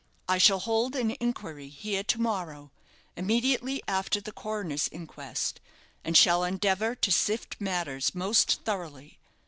I shall hold an inquiry here to morrow, immediately after the coroner's inquest, and shall endeavour to sift matters most thoroughly.